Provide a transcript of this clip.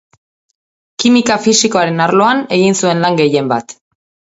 Kimika fisikoaren arloan egin zuen lan gehienbat.